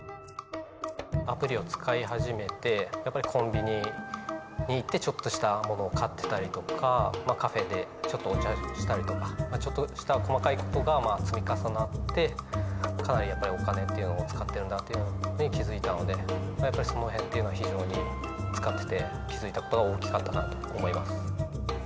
アプリを使い始めてコンビニに行ってちょっとしたものを買ってたりとかカフェでちょっとお茶したりとかちょっとした細かい事が積み重なってかなりお金っていうのを使ってるんだって気付いたのでやっぱりその辺っていうのは非常に使ってて気付いた事が大きかったなと思います。